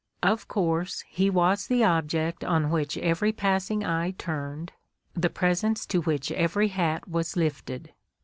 Of course he was the object on which every passing eye turned, the presence to which every hat was lifted.